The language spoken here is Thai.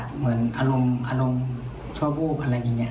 เหมือนอารมณ์ชั่ววูบอะไรอย่างนี้